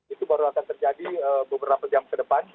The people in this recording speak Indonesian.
itu baru akan terjadi beberapa jam ke depan